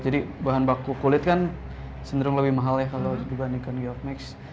jadi bahan baku kulit kan sendirung lebih mahal ya kalau dibandingkan gioff max